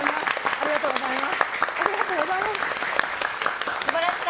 ありがとうございます。